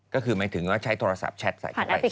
ก็คือหมายถึงว่าใช้โทรศัพท์แชทใส่เข้าไป